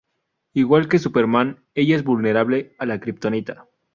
Igual que Superman, ella es vulnerable a la kryptonita.